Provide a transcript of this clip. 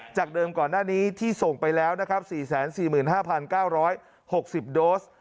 จากเดิมก่อนหน้านี้ที่ส่งไปแล้วนะครับ๔๔๕๙๖๐โดส